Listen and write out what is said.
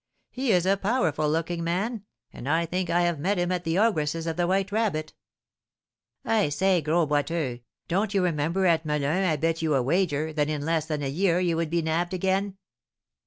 He is a powerful looking man, and I think I have met him at the Ogress's of the White Rabbit." "I say, Gros Boiteux, don't you remember at Melun I bet you a wager that in less than a year you would be nabbed again?"